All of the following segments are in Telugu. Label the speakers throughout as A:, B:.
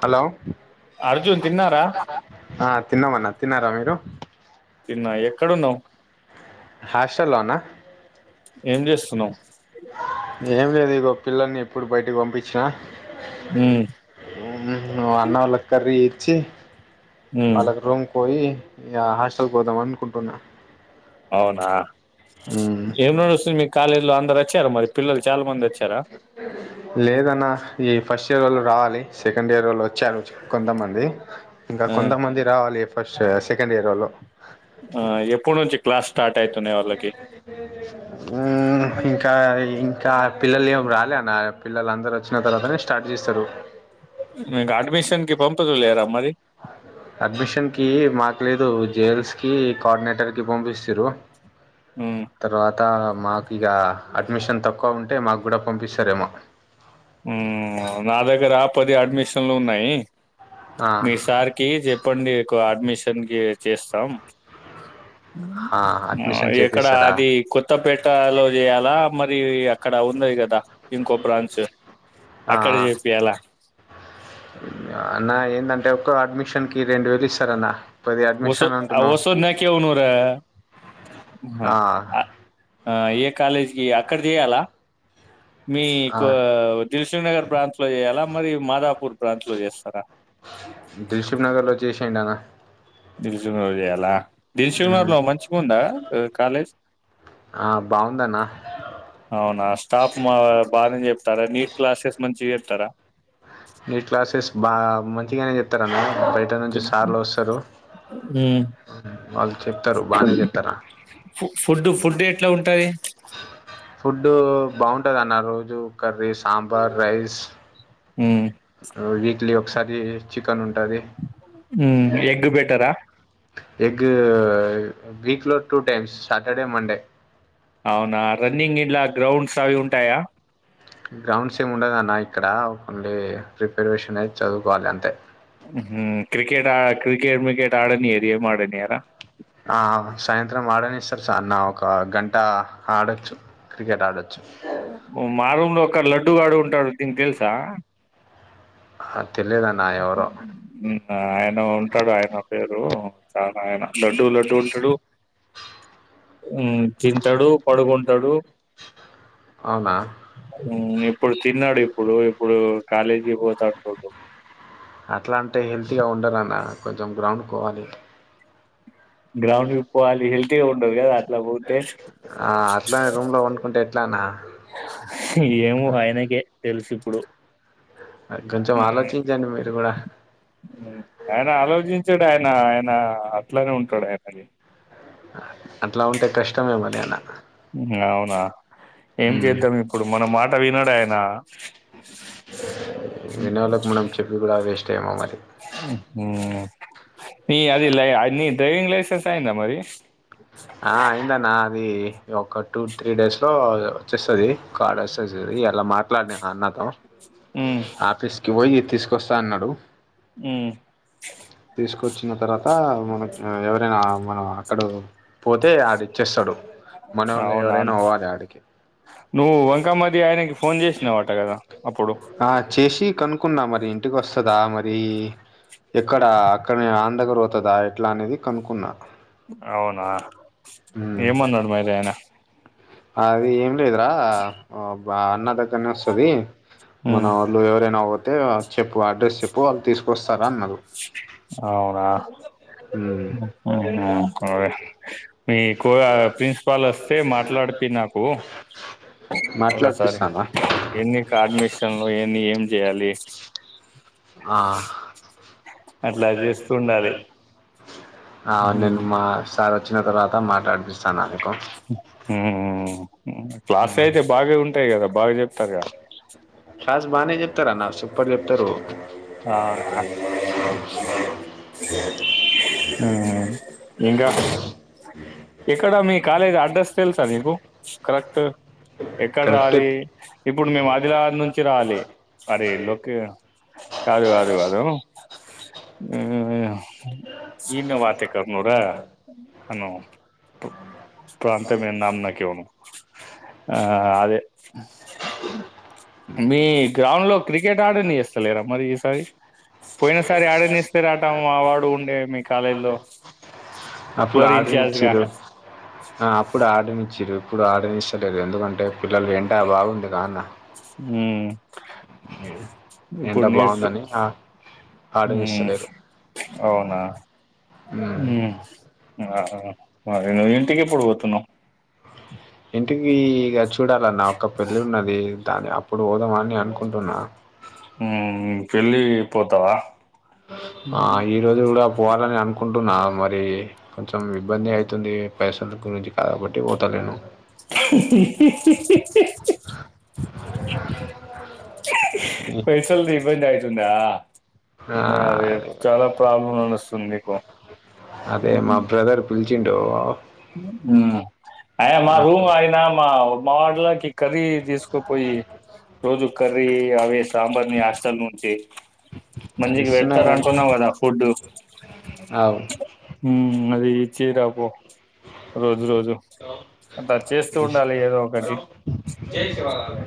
A: హలో
B: అర్జున్ తిన్నారా
A: ఆ తిన్నవన్న తిన్నారా మీరు
B: తిన్నా ఎక్కడున్నవ్
A: హాస్టల్లోనా
B: ఏం చేస్తుతున్నావ్
A: ఏం లేదు ఇగో పిల్లల్ని ఎప్పుడు బయటికి పంపించిన
B: ఉమ్,
A: ఉమ్ అన్న వాళ్ళ కర్రీ వచ్చి
B: ఉమ్,
A: వాళ్ళకు రూమ్ కు పోయి హాస్టల్కి పోదాం అనుకుంటున్న
B: అవునా ఇంక ఏం నడుస్తుంది మీ కాలేజ్ లో అందరు అచ్చార మరి పిల్లలు చాలా మంది వచ్చారా
A: లేదన్న ఈ ఫస్ట్ ఇయర్ వాళ్ళు రావాలి సెకండ్ ఇయర్ వాళ్ళు వ వచ్చరు కొంతమంది ఇంకా
B: ఆ,
A: కొంతమంది రావాలి ఫస్ట్ సెకండ్ ఇయరోళ్లు
B: ఆ ఎప్పుడు నుంచి క్లాస్ స్టార్ట్ అయితున్నాయి వాళ్ళకి
A: టా ఇంకా పిల్లలు ఏం రాలే అన్న పిల్లలాందరు వచ్చిన తర్వాతనే స్టార్ట్ చేస్తారు
B: మీకు అడ్మిషన్ కి పంపదు లేరా మరి
A: అడ్మిషన్ కి మాకు లేదు జైల్స్ కి కోఆర్డినేటర్ కి పంపిచిరు
B: ఉమ్,
A: తర్వాత మాకు ఇగ అడ్మిషన్ తక్కువ ఉంటే మాకు కూడా పంపిస్తారేమో
B: నా దగ్గర పది అడ్మిషన్లు ఉన్నాయి
A: ఆ,
B: మీ సార్కి చెప్పండి ఎక్కువ అడ్మిషన్ కి చేస్తాం
A: ఆ, అడ్మిషన్
B: ఎక్కడ
A: చేపిస్తారా
B: అది కొత్తపేటలో చేయాలా మరి అక్కడ ఉన్నాది కదా ఇంకో బ్రాంచ్
A: ఆ,
B: అక్కడ చెపియాల
A: అన్న ఏందంటే ఒక్క అడ్మిషన్ కి రెండు వేలు ఇస్తారన్న పది
B: వసో
A: అడ్మిషన్ అంటున్నావు
B: వసద్ నాకవు నురా
A: ఆ,
B: ఆ ఏ కాలేజీకి అక్కడ చేయాలా
A: ఆ,
B: మీకు దిల్సుగ్నగర్ బ్రాంచ్ చేయాలా మరి మాదాపూర్ బ్రాంచ్ లో చేస్తారా
A: దిల్సుగు నగర్లో చేసేయండి అన్న
B: దిల్సుగ్నగర్ లో చేయాలా దిల్సుగ్నగర్
A: ఉమ్,
B: లో మంచిగుందా కాలేజ్
A: ఆ బాగుందన్న
B: అవునా స్టాఫ్ మా బానే చెప్తారా నీట్ క్లాసెస్ మంచి చెప్తారా
A: బాగా మంచిగానే చెప్తారన్న బయట నుంచి సార్లు వస్తారు
B: మ్మ్
A: వాళ్ళు చెప్తారు బానే చెప్తారా
B: ఫుడ్ ఫుడ్డు ఎట్లా ఉంటది
A: ఫుడ్డు బాగుంటదన్న రోజు కర్రీ సాంబార్ రైస్
B: మ్మ్
A: విక్లీ ఒకసారి చిక్ పని ఉంటాది
B: మ్మ్ ఎగ్ బెటరా
A: ఎగ్ వీక్ లో టూ టైమ్స్ సాటర్డే మండే.
B: అవునా రన్నింగ్ ఇన్లా గ్రౌండ్స్ అవి ఉంటాయా.
A: గ్రౌండ్స్ ఏమి ఉండది అన్న ఇక్కడ ఓన్లీ ప్రిపరేషన్ అయి చదువుకోవాలి అంతే
B: ఉహు క్రికెట్ ఆ క్రికెట్ మ్రికెట్ ఆడనియారు ఏం ఆడనియార.
A: ఆ సాయంత్రం ఆడనిస్తారు. సర్ నా ఒక గంట ఆడొచ్చు. క్రికెట్ ఆడొచ్చు.
B: మా రూమ్ లో ఒక లడ్డుగాడు ఉంటాడు దీనికి తెలుసా?
A: అ తెలియదు అన్న ఎవరో
B: ఆ ఆయన ఉంటడు ఆయన పేరు చాలా ఆయన లడ్డుక్ లడ్డు ఉంటడు. ఉమ్ తింటడు పడుగొంటడు.
A: అవునా
B: ఉమ్ ఇప్పుడు తినడు ఇప్పుడు ఇప్పుడు కాలేజీకి పోతాంటడు.
A: అట్లా అంటే హెల్తీగా ఉండరన్న కొంచెం గ్రౌండ్క్ కోవాలి.
B: గ్రౌండ్క్ పోవాలి హెల్తీగా ఉంటరు కదా అట్ల పోతే
A: ఆ అట్లనే రూమ్ లో వండుకుంటే ఎట్లన్నా?
B: ఏమో తెలుసు ఇప్పుడు
A: కొంచెం
B: ఉమ్మ్
A: ఆలోచించండి మీరు కూడా
B: ఉమ్ ఆయన ఆలోచించడు ఆయన నా అట్లానే ఉంటడు ఆయనకి
A: అట్లా ఉంటే కష్టమే మరి అన్న
B: ఉమ్ అవునా ఏం చేద్దాం ఇప్పుడు మన మాట వినడు ఆయన
A: విననోలకు మనం చెప్పి కూడా వేస్టే
B: ఉహూ నీ అది లయ నీ డ్రైవింగ్ లైసెన్స్ అయిందా మరి
A: ఆ అయిందన్న అది ఒక టూ త్రీ డేస్ లో అచ్చేస్తది. కార్డు అస్థది సూడు ఇయలా మాట్లాడిన అన్నతో
B: హ్మ్.
A: ఆఫీస్కి పోయి తీసుకొస్తా అన్నడు
B: హ్మ్.
A: తీసుకొచ్చిన తర్వాత మన ఆ ఎవరైనా మనం అక్కడో పోతే ఆడ్ ఇచ్చేస్తడు మనోళ్ళు
B: అవునా!
A: ఎవరైనా పోవాలె ఆడికి
B: నువ్వు వంకమ్మది ఆయనకి ఫోన్ చేసినావట కదా! అప్పుడు.
A: ఆ చేసి కనుకున్నా మరి ఇంటికి వస్తుందా మరి ఎక్కడ అక్కడే వాని దగ్గర పోతదా ఎట్లా అనేది కనుకున్నా
B: అవునా ఏమన్నడు మరి ఆయన
A: అది ఏం లేదురా బా అన్న దగ్గరనే వస్తది మన
B: హ్మ్.
A: వాళ్ళు ఎవరైనా పోతే చెప్పు అడ్రస్ చెప్పు వాళ్ళు తీసుకొస్తారు రా అన్నరు. ఉమ్మ్
B: ఉమ్ ఆ మీకు ప్రిన్సిపాల్ వస్తే మాట్లాడుపి నాకు [inaudible] ఒకసారి
A: మాట్లాడిపిస్తానా
B: ఎన్ని కా అడ్మిషన్లో ఏమో నే ఏం చేయాలి?
A: ఆ
B: అట్ల చేస్తూ ఉండు అది
A: ఆ నేను మా సార్ వచ్చిన తర్వాత మాట్లాడ్పిస్తా అన్న నీకు
B: ఉ ఉమ్మ్ ఉమ్ క్లాస్
A: ఉమ్.
B: అయితే బాగా ఉంటయి కదా బాగా చెప్తారు కదా
A: క్లాస్ బానే చెప్తార అన్న సూపర్ చెప్తరు.
B: ఆ! ఆహా ఇంకా ఎక్కడ మీ కాలేజ్ అడ్రస్ తెలుసా నీకు కరెక్ట్ ఎక్కడ
A: కరెక్ట్
B: రావాలి ఇప్పుడు మేము ఆదిలాబాద్ నుంచి రావాలి మరి లోకే ఆ కాదు కాదు కాదును ఉమ్మ్ సీను వాతె కర్ నురా అను ప్రాంత మ [unintelligible] ఆ అదే మీ గ్రౌండ్ లో క్రికెట్ ఆడ నిస్తలేరా మరి? సరి పోయిన సారీ ఆడనిస్తరెట మా వాడు ఉండే మీ కాలేజీలో
A: అప్పుడు ఆడ నిచిర్రు ఆ అప్పుడు ఆడనించరు ఇప్పుడు ఆడనిస్తలేరు ఎందుకంటే పిల్లలకి ఎంట బాగుంది గా అన్న
B: ఉమ్,
A: ఎండ
B: ఇప్పుడు నేర్సు
A: బాగుందని
B: హు
A: ఆర్డర్ ఇస్తలేరు
B: అవునా
A: మ్మ్
B: ఉమ్ ఆ ఆ మరి నువ్ ఇంటికి ఎప్పుడు పోతున్నావ్
A: ఇంటికి ఇక చూడాలన్నా ఒక పెళ్లి ఉన్నది దాని అ
B: ఉమ్ పెళ్లి పోతావా
A: ఆ ఈరోజు కూడా పోవాలనే అను కుంటున్నా మరి కొంచెం ఇబ్బంది అయితుంది పైసలు గురించి కాబట్టి పోతలేను
B: హి హి హి హి హి హి పైసల్ది ఇబ్బంది అయితుందా ఆ రేప్
A: అదే
B: చాలా ప్రాబ్లమ్స్ అనిస్తుంది నీకు ఉ
A: గుల్చిండోవా
B: ఉ ఊ ఏయ్ మా రూమ్
A: అక్కడ
B: అయినా మా మా వార్డ్ లోకి కర్రీ తీసుకుపోయి రోజు కరీ ఆవేష్ సాంబార్ ని హాస్టల్ నుంచి మంచిగా
A: ఇస్తున్నా
B: పెడతారు
A: కానీ
B: అంటున్నావ్ కదా ఫుడ్డు
A: అవు
B: ఉమ్ అది ఇచ్చి రాపో రోజు రోజు అట్లా చేస్తూ ఉండాలి ఏదో ఒకటి
A: జై శివగామి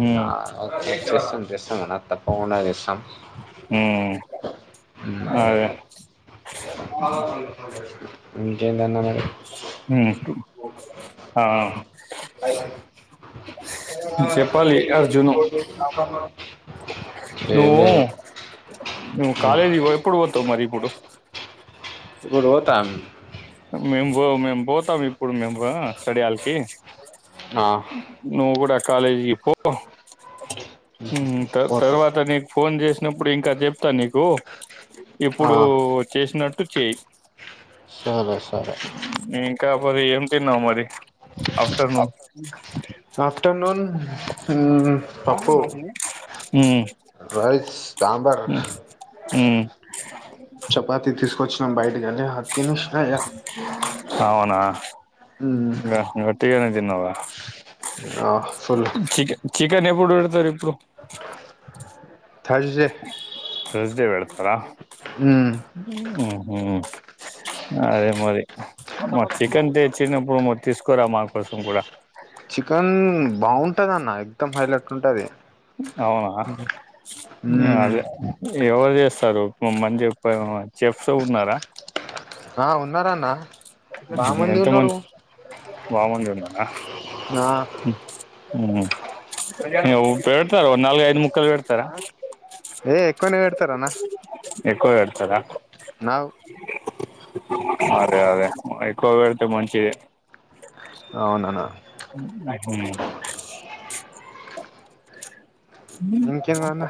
B: హ్మ్
A: ఆ చేస్తాను చేస్తున్న తప్పకుండా
B: ఊ
A: ఉ ఇంకేంది అన్నా మ
B: మడ్డగుడు ఆ చెప్పాలి అర్జును
A: తీసేసి చానాలు ఆయా
B: నువ్వు నువ్
A: ఆ,
B: కాలేజీకి ఇ ఇప్పుడు పో తావు మరి ఇప్పుడు
A: ఇప్పుడు పోతాం
B: మేము పో మేము పోతాము ఇప్పుడు మేము రా స్టడీ హాల్ కి
A: ఆ,
B: నువ్వు కూడా కాలేజీకి పో ఉమ్ త
A: పోతాం
B: తర్వాత నీకు ఫోన్ చేసినప్పుడు ఇంకా చెప్తా నీక్ గో ఇప్పుడు
A: ఆ.
B: చేసినట్టు చెయ్
A: సరే సరే
B: మరి ఏం తిన్నావు మరి ఆఫ్టర్నూన్
A: ఆఫ్టర్నూన్ హు పప్పు
B: ఉ
A: రైస్ సాంబార్ చపాతి తీసుకొచ్చినం బయటికి కాని హ తినిషూ
B: అవునా
A: మ్మ్
B: ఇంగా ఒట్టిగానే తిన్నావా
A: ఆ ఫుల్
B: చికెన్ చికెన్ ఎప్పుడు పెడతారు ఇప్పుడు
A: థర్స్డే
B: త్ర్సడై పెడతాడా
A: మ్మ్
B: ఉమ్ ఉ అదే మరి మరి చికెన్ తెచ్చినప్ వామో తీసుకురా మా కోసం కూడా
A: చికెన్ బాగుంటదన్న ఎక్దమ్ హైలైట్ ఉంటది
B: అవునా
A: మ్మ్
B: అదే యోగా చెయ్ స్తారు పోమని చెప్పరు చెప్తున్నారా
A: ఆ ఉన్నార అన్న
B: ఎంతో మంది బామంది ఉన్నానా
A: ఆ
B: ఉ ఉప్పే పెడతారు నల్గు ఐదు ముక్కాలు పెడతారా
A: ఏ ఎక్కువనే పెడతారు అన్న
B: ఎక్కువ పెడతారా
A: నావు
B: అదే అదే ఎక్కువ పెడితే మంచిదే
A: అవునన
B: [unintelligible] [unintelligible]
A: ఇంకేందన్న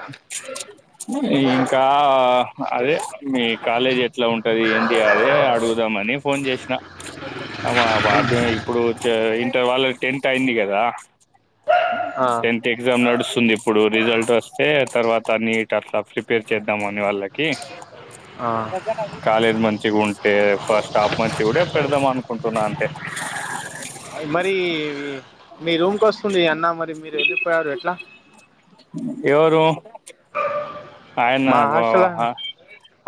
B: ఇంకా అదే మీ కాలేజ్ ఎట్లా ఉంటది ఏంది అదే అడుగుదామని ఫోన్ చేసిన అమ్మా బ అ ఇప్పుడు ఇంటర్ వాళ్ళ టెన్త్ అయింది కదా
A: ఆ
B: టెన్త్ ఎక్జామ్ నడు వస్తుంది ఇప్పుడు రిజల్ట్ వస్తే తర్వాత నీట్ అట్లా ప్రిపేర్ చేద్దాం అని వాళ్ళకి కాలేజ్ మంచిగా ఉంటే ఫస్టాఫ్ మంచి ఉంటే పెడదాం అనుకుంటున్నా అంటే
A: మరి మీ రూమ్ కి వస్తుంది అన్న మరి మీరు వెళ్ళిపోయారు ఎట్లా
B: ఎవరు ఆయన
A: మా
B: బో
A: హాస్టల్
B: ఆ
A: అన్న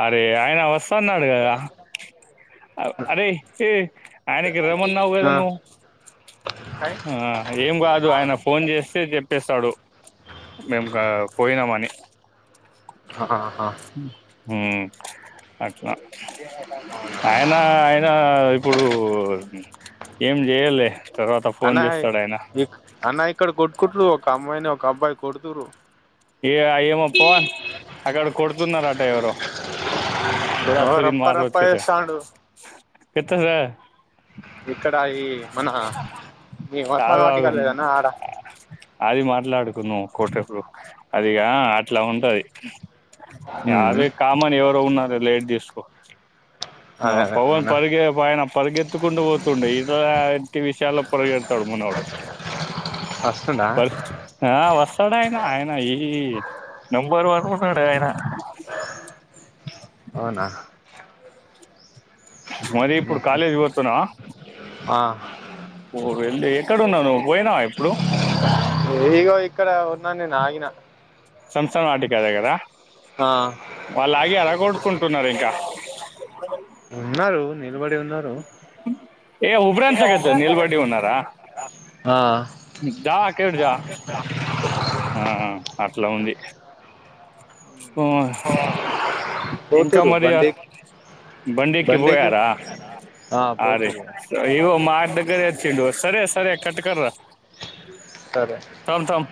B: అరే ఆయన వస్తున్నాడు కదా అరే ఏ ఆయనకి ఇర్రమన్నావ్ గదా నువ్వు ఆ ఏం కాదు ఆయన ఫోన్ చేస్తే చెప్పేస్తాడు మేము కా పోయామని
A: ఆహా
B: ఉ అట్లా ఆయన ఆయన ఇప్పుడు ఏం ఏలే
A: అన్న ఇ అన్న ఇక్కడ కొట్టుకుంటారు ఒక అమ్మాయిని ఒక అబ్బాయి కొడుతుండ్రు
B: ఏ ఏమో పవన్ అక్కడ కొడుతున్నారట ఎవరో చోరా
A: ఓ
B: చోరి
A: రప్ప రప్ప
B: మారతు కతే
A: చేస్తాండు
B: కత్త
A: ఇక్కడ ఈ మన ఈ
B: ఆగు
A: వసవాటిక
B: ఆగు
A: లేదన్న ఆడ
B: అది మాట్లాడుకున్నాం కోటప్పుడు అదిగా అట్లా ఉంటది
A: ఉమ్
B: అదే కామన్ ఎవరు ఉన్నారు లేట్ తీసుకో ఆ
A: అదే అదే
B: పవన్
A: మన
B: పరిగె ఆయన పరిగెత్తుకుంటూ పోతుండే ఇట్ ఎంటి విషయాల్లో పరిగె తడు మనోడు
A: వస్తుందా
B: పది ఆ వస్తు చడయినా అయనా ఈ నంబర్ వన్ ఉన్నాడైనా
A: అవునా
B: మదీ ఇప్పుడు కాలేజ్ పోతున్నావా
A: ఆ
B: ఓరీ ఎండి ఎక్కడున్నావ్ నువ్వు పోయినవా ఇప్పుడు
A: ఈగో ఇక్కడ ఉన్న నీనా ఆగిన
B: సంసన వాటిక దగ్గర
A: ఆ
B: వాళ్ళు ఆగి అలా కొట్కుంటున్నారు ఇంకా
A: ఉన్నారు నిలబడి ఉన్నారు
B: ఏ ఉబ్రా [unintelligible] నిలబడి ఉన్నారా
A: ఆ
B: దాకేడు జా ఆ అట్లా ఉంది ఓ ఇంకా
A: పోతురు
B: మరియ
A: బండేకి
B: బండెక్కి
A: బండేకి
B: పోయారా
A: ఆ
B: అరే
A: పోతురు
B: ఇగ మా దగ్గర తెచ్చిండు సరే సరే కట్కర
A: సరే
B: తమ్ తమ్